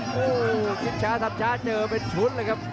โอ้โหคิดช้าทำช้าเจอเป็นชุดเลยครับ